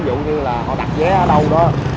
ví dụ như là họ đặt vé ở đâu đó